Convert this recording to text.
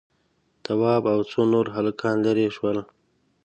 تواب او څو نور هلکان ليرې شول.